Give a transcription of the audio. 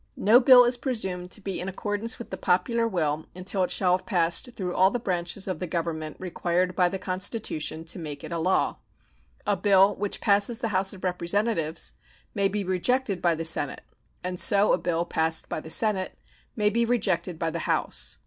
No bill is presumed to be in accordance with the popular will until it shall have passed through all the branches of the Government required by the Constitution to make it a law. A bill which passes the House of Representatives may be rejected by the Senate, and so a bill passed by the Senate may be rejected by the House.